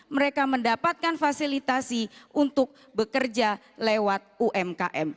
mereka mendapatkan fasilitasi untuk bekerja lewat umkm